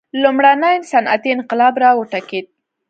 لومړنی صنعتي انقلاب را وټوکېد.